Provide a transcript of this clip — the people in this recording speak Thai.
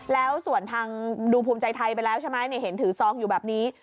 แล้วส่วนทางดูภูมิใจไทยไปแล้วใช่ไหมเห็นถือซองอยู่แบบนี้